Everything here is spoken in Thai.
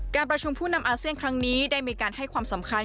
การประชุมผู้นำอาเซียนครั้งนี้ได้มีการให้ความสำคัญ